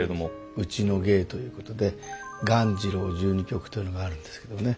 うちの芸ということで玩辞楼十二曲というのがあるんですけどね